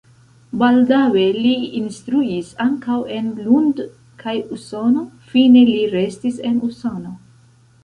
Baldaŭe li instruis ankaŭ en Lund kaj Usono, fine li restis en Usono.